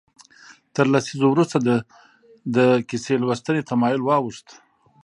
تر لسیزو وروسته د کیسه لوستنې تمایل واوښت.